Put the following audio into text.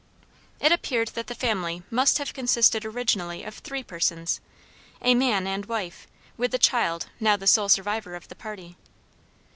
It appeared that the family must have consisted originally of three persons, a man and wife, with the child now the sole survivor of the party.